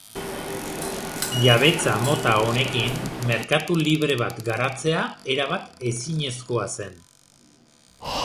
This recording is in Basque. Jabetza mota honekin merkatu libre bat garatzea erabat ezinezkoa zen.